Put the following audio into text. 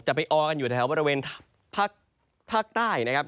ไปออกันอยู่แถวบริเวณภาคใต้นะครับ